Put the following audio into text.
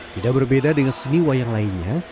tidak berbeda dengan seni wayang lainnya